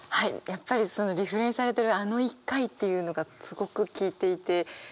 やっぱりリフレインされてる「あの１回」っていうのがすごく効いていて。